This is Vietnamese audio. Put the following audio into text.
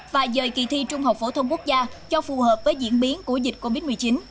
và dời kỳ thi trung học phổ thông quốc gia cho phù hợp với diễn biến của dịch covid một mươi chín